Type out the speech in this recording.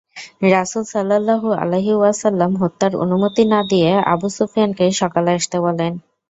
রাসূল সাল্লাল্লাহু আলাইহি ওয়াসাল্লাম হত্যার অনুমতি না দিয়ে আবু সুফিয়ানকে সকালে আসতে বলেন।